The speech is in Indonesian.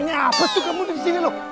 apa tuh kamu disini lo